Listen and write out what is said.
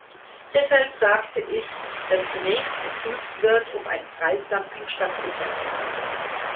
Deshalb sagte ich, dass zunächst geprüft wird, ob ein Preisdumping stattgefunden hat.